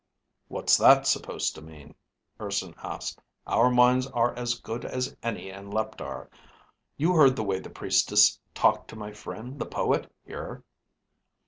"What's that supposed to mean?" Urson asked. "Our minds are as good as any in Leptar. You heard the way the priestess talked to my friend the poet, here."